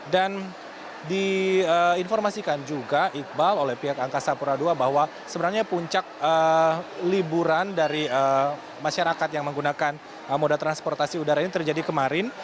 dan diinformasikan juga iqbal oleh pihak angkasa pura ii bahwa sebenarnya puncak liburan dari masyarakat yang menggunakan moda transportasi udara ini terjadi kemarin